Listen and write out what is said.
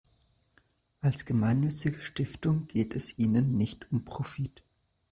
Als gemeinnützige Stiftung geht es ihnen nicht um Profit.